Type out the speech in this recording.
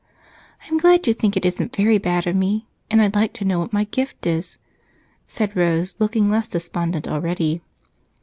I'm glad you think it isn't very bad of me, and I'd like to know what my gift is," said Rose, looking less despondent already.